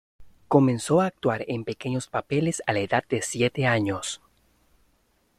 Comenzó a actuar en pequeños papeles a la edad de siete años.